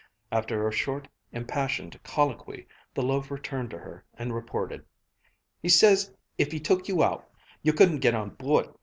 After a short impassioned colloquy, the loafer turned to her and reported: "He says if he took you out, you couldn't git on board.